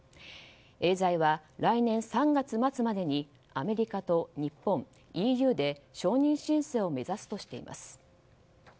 エーザイは来年３月末までにアメリカと日本、ＥＵで承認申請を目指すとしています。